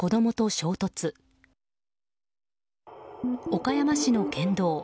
岡山市の県道。